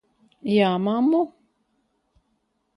Jā, mammu?